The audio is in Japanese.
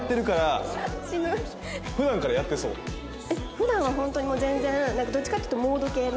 普段はホントに全然どっちかっていうとモード系な。